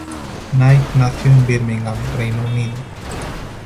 Knight nació en Birmingham, Reino Unido.